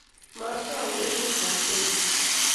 Matawe emet ab Congo